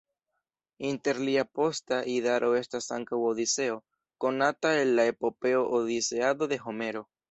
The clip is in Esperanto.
Inter lia posta idaro estas ankaŭ Odiseo, konata el la epopeo Odiseado de Homero.